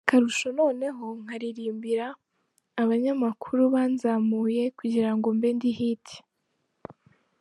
Akarusho noneho nkaririmbira abanyamakuru banzamuye kugira ngo mbe ndi Hiti.